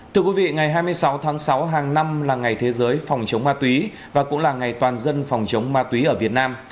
thưa quý vị ngày hai mươi sáu tháng sáu hàng năm là ngày thế giới phòng chống ma túy và cũng là ngày toàn dân phòng chống ma túy ở việt nam